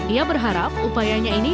ia berharap upayanya ini